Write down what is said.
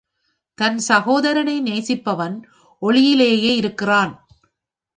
தன் சகோதரனை நேசிப்பவன் ஒளியிலேயே இருக்கிறான்.